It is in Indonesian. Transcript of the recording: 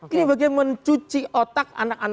ini bagian mencuci otak anak anak bangsa